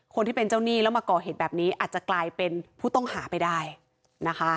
คนที่เป็นเจ้าหนี้แล้วมาก่อเหตุแบบนี้อาจจะกลายเป็นผู้ต้องหาไปได้นะคะ